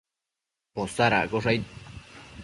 Posadaccosh aid